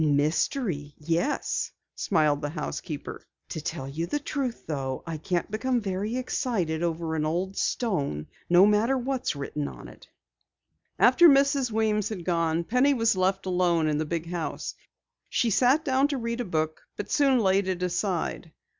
"Mystery, yes," smiled the housekeeper. "To tell you the truth, though, I can't become very excited over an old stone, no matter what's written on it." After Mrs. Weems had gone, Penny was left alone in the big house. She sat down to read a book but soon laid it aside.